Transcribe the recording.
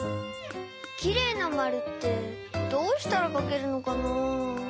きれいなまるってどうしたらかけるのかなぁ。